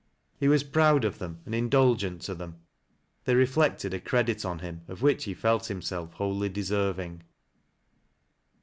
He was proud of them and indulgent to them They reflected a credit on him of which he felt himseH wholly deserving.